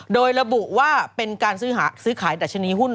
โดยระบุว่าเป็นการซื้อขายดัชนีหุ้น